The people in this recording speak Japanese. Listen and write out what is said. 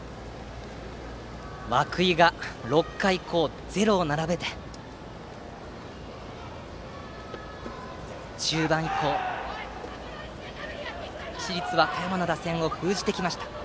涌井が６回以降ゼロを並べて中盤以降、市立和歌山の打線を封じてきました。